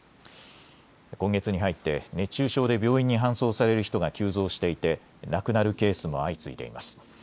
今月に入って熱中症で病院に搬送される人が急増していて亡くなるケースも相次いでいます。